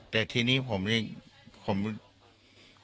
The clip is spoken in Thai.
แต่ทีนี้ผมยังไม่รู้นะ